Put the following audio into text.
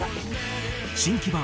新木場